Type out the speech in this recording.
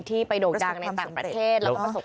ที่ไปโดดดังในต่างประเทศ